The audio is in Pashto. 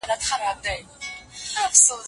د بوټو تڼۍ تړم، د شالمار مېلې ته ځم